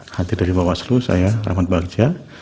nanti dari bawaslu saya rahmat bagja